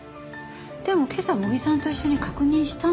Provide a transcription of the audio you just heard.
でも今朝茂木さんと一緒に確認したんですよね？